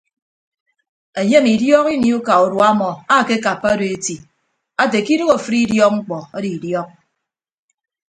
Enyem idiok ini uka urua ọmọ akekappa odo eti ate ke idooho afịd idiọk mkpọ ado idiọk.